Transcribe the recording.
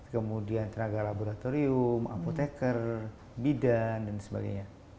kemudian tenaga laboratorium apotekar bidan dan sebagainya